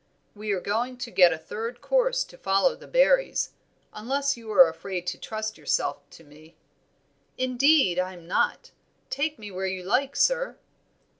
"We are going to get a third course to follow the berries, unless you are afraid to trust yourself to me." "Indeed, I'm not; take me where you like, sir."